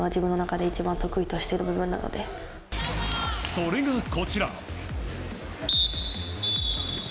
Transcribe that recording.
それが、こちら。